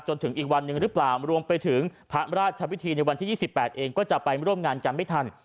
จนถึงอีกวันหนึ่งหรือเปล่ารวมไปถึงพระราชพิธีในวันที่๒๘เองก็จะไปร่วมงานกันไม่ทัน